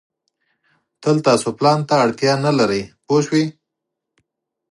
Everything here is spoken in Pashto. تل تاسو پلان ته اړتیا نه لرئ پوه شوې!.